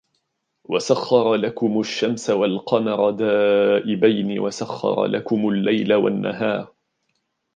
وسخر لكم الشمس والقمر دائبين وسخر لكم الليل والنهار